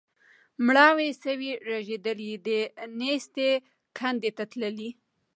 مړاوي سوي رژېدلي د نېستۍ کندي ته تللي